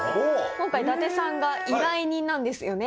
今回伊達さんが依頼人なんですよね。